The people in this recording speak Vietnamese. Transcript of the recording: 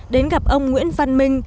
đến gặp ông nguyễn văn minh